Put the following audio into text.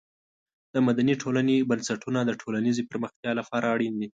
د مدني ټولنې بنسټونه د ټولنیزې پرمختیا لپاره اړین دي.